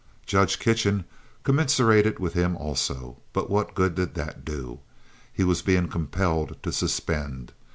Judge Kitchen commiserated with him also; but what good did that do? He was being compelled to suspend.